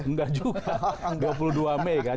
enggak juga dua puluh dua mei kan